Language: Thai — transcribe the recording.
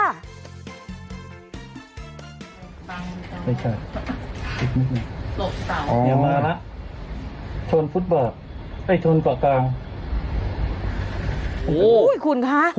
ต่างหรือเปล่าหลบต่างหรือเปล่าอ๋ออย่ามาละ